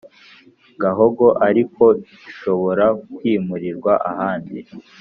Gahogo ariko gishobora kwimurirwa ahandi